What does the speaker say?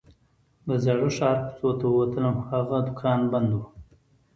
د زاړه ښار کوڅو ته ووتلم خو هغه دوکان بند و.